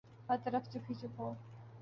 ہر طرف چپ ہی چپ ہو۔